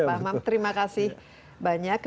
pak hamam terima kasih banyak